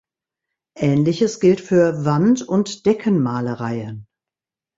Ähnliches gilt für Wand- und Deckenmalereien.